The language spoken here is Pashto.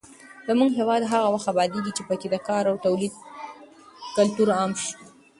زموږ هېواد هغه وخت ابادېږي چې پکې د کار او تولید کلتور عام شي.